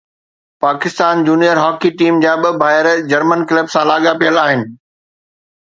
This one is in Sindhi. پاڪستان جونيئر هاڪي ٽيم جا ٻه ڀائر جرمن ڪلب سان لاڳاپيل آهن